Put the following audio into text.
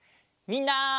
みんな！